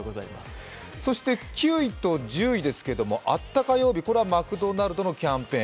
９位と１０位はあった火曜日、これはマクドナルドのキャンペーン。